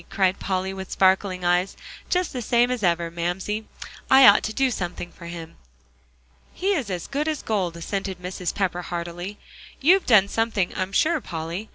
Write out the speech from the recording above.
cried Polly, with sparkling eyes, "just the same as ever. Mamsie, I ought to do something for him. "He is as good as gold," assented Mrs. Pepper heartily. "You've done something, I'm sure, Polly.